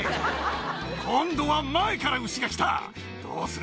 今度は前から牛が来たどうする？